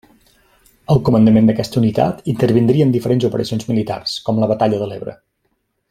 Al comandament d'aquesta unitat intervindria en diferents operacions militars, com la batalla de l'Ebre.